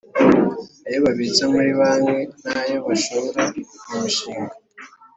ayo babitsa muri banki, n’ayo bashora mu mishinga